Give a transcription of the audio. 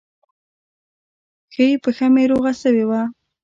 ښۍ پښه مې روغه سوې وه.